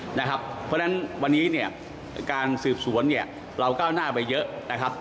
เพราะฉะนั้นวันนี้การสืบสวนเราก้าวหน้าไปเยอะ